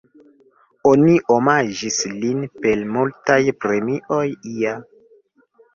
Oni omaĝis lin per multaj premioj, ia.